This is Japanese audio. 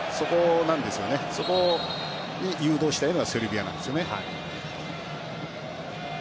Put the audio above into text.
そこに誘導したいのがセルビアなんですね。